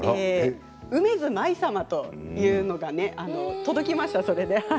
梅津舞様というのが届きました。